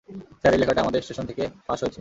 Sir, এই লেখাটা আমাদের স্টেশন থেকে ফাঁস হয়েছে।